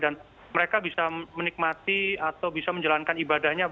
dan mereka bisa menikmati atau bisa menjalankan ibadahnya